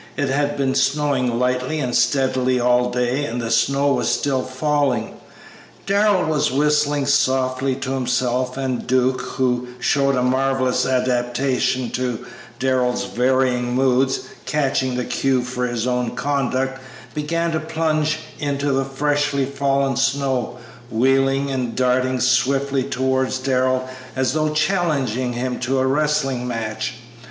It had been snowing lightly and steadily all day and the snow was still falling. Darrell was whistling softly to himself, and Duke, who showed a marvellous adaptation to Darrell's varying moods, catching the cue for his own conduct, began to plunge into the freshly fallen snow, wheeling and darting swiftly towards Darrell as though challenging him to a wrestling match.